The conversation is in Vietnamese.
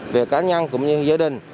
về cá nhân cũng như gia đình